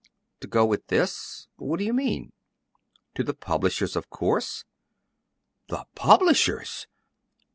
"'To go with this'! What do you mean?" "To the publishers, of course." "The PUBLISHERS!"